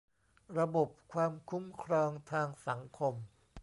ระบบความคุ้มครองทางสังคม